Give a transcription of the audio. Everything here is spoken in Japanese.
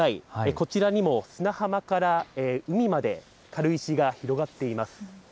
こちらにも砂浜から海まで軽石が広がっています。